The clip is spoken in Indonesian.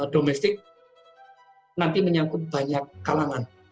domestik nanti menyangkut banyak kalangan